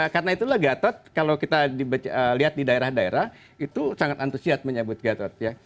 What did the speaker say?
karena itulah gatot kalau kita lihat di daerah daerah itu sangat antusias menyebut gatot ya